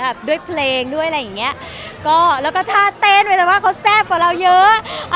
ด้วยเพลงด้วยอะไรอย่างเงี้ยก็แล้วก็ท่าเต้นโดยเฉพาะเขาแซ่บกว่าเราเยอะ